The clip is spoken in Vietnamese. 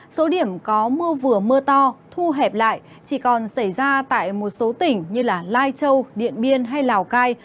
số điểm có mưa vừa mưa to thu hẹp lại chỉ còn xảy ra tại một số tỉnh như lai châu điện biên hay lào cai